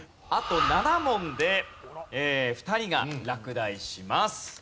あと７問で２人が落第します。